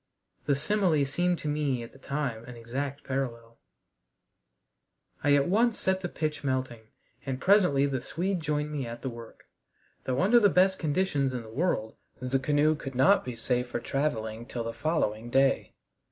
The simile seemed to me at the time an exact parallel. I at once set the pitch melting, and presently the Swede joined me at the work, though under the best conditions in the world the canoe could not be safe for traveling till the following day.